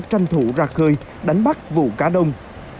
tranh thủ ra khơi đánh bắt vụ cá đông